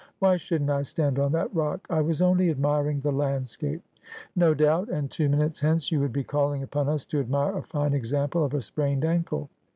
Why shouldn't I stand on that rock ? I was only admiring the landscape !'' No doubt, and two minutes hence you would be calling upon us to admire a fine example of a sprained ankle.'